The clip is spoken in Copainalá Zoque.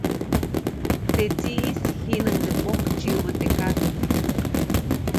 Teʼ tsiʼis jiʼnuŋde pojk tsiʼubä teʼ kak.